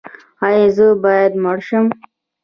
ایا زه باید مړ شم؟